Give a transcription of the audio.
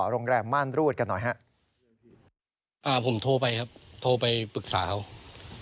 โรงแรมม่านรูดกันหน่อยฮะอ่าผมโทรไปครับโทรไปปรึกษาเขา